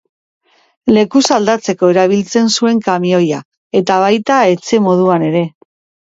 Lekuz aldatzeko erabiltzen zuen kamioia, eta baita etxe moduan ere.